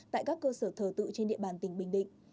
tại các cơ sở thờ tự trên địa bàn tỉnh bình định